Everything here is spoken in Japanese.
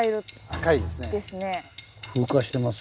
赤いですね。